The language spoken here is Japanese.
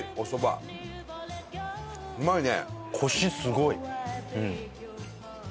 うまいね。